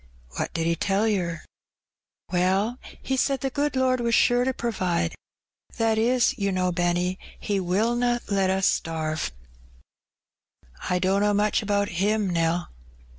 "What did he tell yer?" rn Tempted. 87 '^ Well^ he said the good Lord was sore to provide ; that is, you know, Benny, He wUlna let us starve/* " I dunno much about Him, Nell."